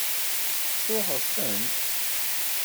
Tesṛuḥeḍ-tent?